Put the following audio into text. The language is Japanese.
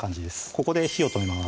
ここで火を止めます